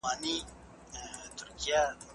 هغه ښځه رسول الله ته د څه لپاره راغله؟